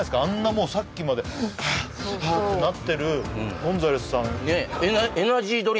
もうさっきまでハアハアってなってるゴンザレスさん